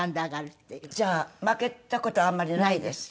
じゃあ負けた事あんまりないですか？